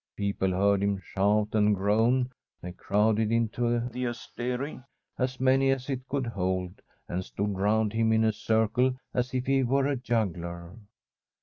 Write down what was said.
People heard him shout and groan; they crowded into the asteri — as many as it could hold — and stood round him in a circle as if he were a juggler.